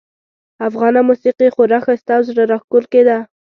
افغانه موسیقي خورا ښایسته او زړه راښکونکې ده